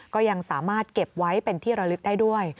ก็ยังสามารถเก็บไว้เป็นที่ระลึกได้ด้วย